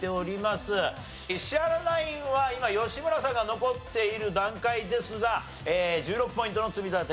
石原ナインは今吉村さんが残っている段階ですが１６ポイントの積み立て。